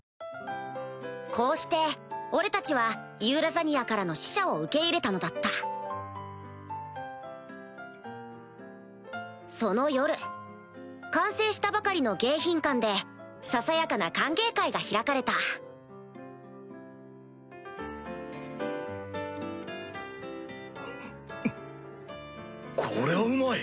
こうして俺たちはユーラザニアからの使者を受け入れたのだったその夜完成したばかりの迎賓館でささやかな歓迎会が開かれたこれはうまい！